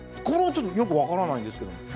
これはちょっとよく分からないんですけども。